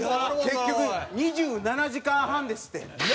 結局２７時間半ですって。